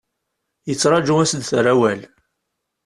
Yettraju ad as-d-terr awal.